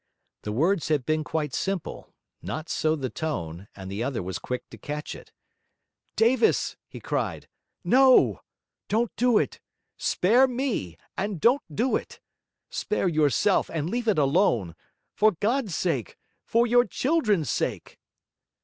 The words had been quite simple; not so the tone; and the other was quick to catch it. 'Davis!' he cried, 'no! Don't do it. Spare ME, and don't do it spare yourself, and leave it alone for God's sake, for your children's sake!'